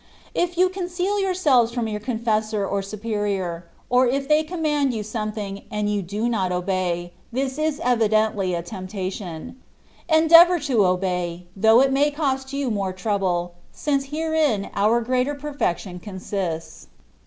If you conceal yourselves from your confessor or superior; or if they command you something, and you do not obey, this is evidently a temptation : endeavour to obey, though it may cost you more trouble, since herein our greater perfection consists.